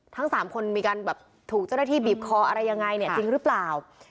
ทั้ง๓คนมีการถูกเจ้าหน้าที่บีบคออะไรยังไงจริงหรือเปล่า